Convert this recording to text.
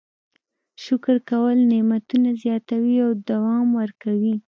شکر کول نعمتونه زیاتوي او دوام ورکوي.